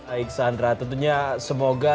aik sandra tentunya semoga